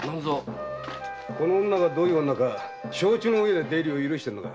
この女がどんな女か承知の上で出入りを許しているのか。